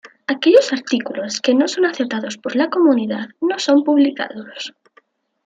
Aquellos artículos que no son aceptados por la comunidad no son publicados.